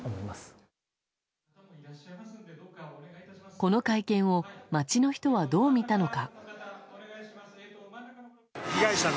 この会見を街の人はどう見たのか。